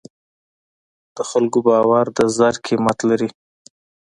د خلکو باور د زر قیمت لري.